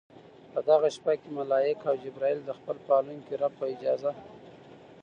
په دغه شپه کې ملائک او جبريل د خپل پالونکي رب په اجازه